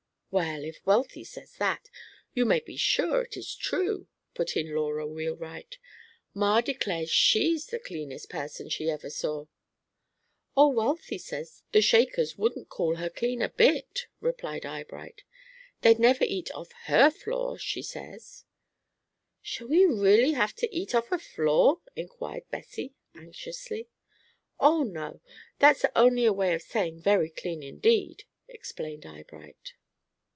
"Well, if Wealthy says that, you may be sure it is true," put in Laura Wheelwright. "Ma declares she's the cleanest person she ever saw." "Oh, Wealthy says the Shakers wouldn't call her clean a bit," replied Eyebright. "They'd never eat off her floor, she says." "Shall we really have to eat off a floor?" inquired Bessie, anxiously. "Oh, no. That's only a way of saying very clean indeed!" explained Eyebright.